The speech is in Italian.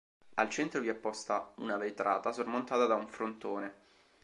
Al centro vi è posta una vetrata sormontata da un frontone.